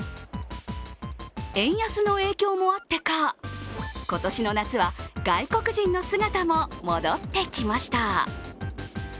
円安の影響もあってか、今年の夏は外国人の姿も戻ってきました。